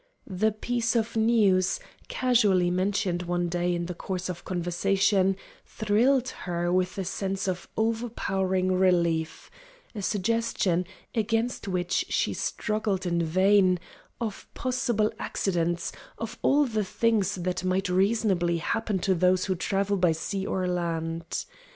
The piece of news, casually mentioned one day in the course of conversation, thrilled her with a sense of overpowering relief, a suggestion, against which she struggled in vain, of possible accidents, of all the things that might reasonably happen to those who travel by sea or land.